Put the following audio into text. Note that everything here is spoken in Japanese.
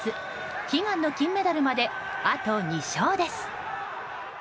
悲願の金メダルまであと２勝です。